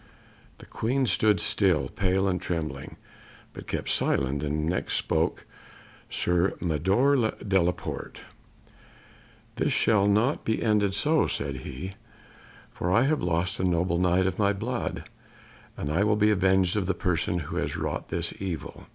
The Queen stood still, pale and trembling, but kept silence, and next spoke Sir Mador de la Porte. "This shall not be ended so," said he, "for I have lost a noble Knight of my blood, and I will be avenged of the person who has wrought this evil."